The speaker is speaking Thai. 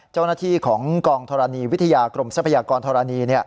เจ้าหน้าที่ของกองธรณีวิทยากรมทรัพยากรธรณี